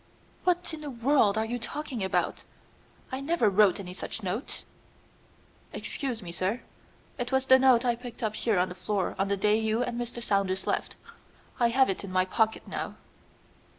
"What in the world are you talking about? I never wrote any such note." "Excuse me, sir, it was the note I picked up here on the floor on the day you and Mr. Saunders left. I have it in my pocket now."